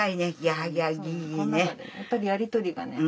やっぱりやり取りがね。